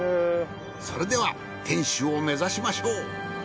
それでは天守を目指しましょう。